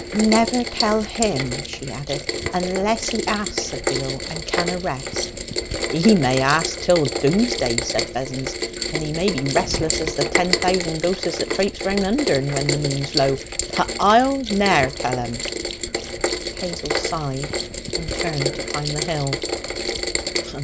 'Never tell him,' she added, 'unless he asks a deal and canna rest.' 'He may ask till Doomsday,' said Vessons, 'and he may be restless as the ten thousand ghosses that trapse round Undern when the moon's low, but I'll ne'er tell 'im.' Hazel sighed, and turned to climb the hill.